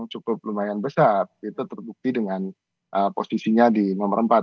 cukup lumayan besar itu terbukti dengan posisinya di nomor empat